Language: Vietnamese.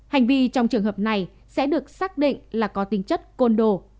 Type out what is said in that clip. hành vi trong trường hợp này sẽ được xác định là có tính chất côn đồ